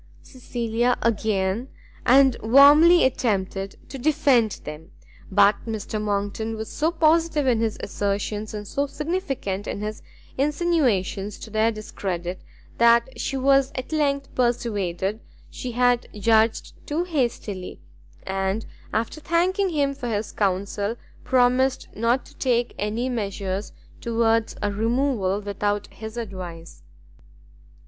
Cecilia again and warmly attempted to defend them; but Mr Monckton was so positive in his assertions, and so significant in his insinuations to their discredit, that she was at length persuaded she had judged too hastily, and, after thanking him for his counsel, promised not to take any measures towards a removal without his advice.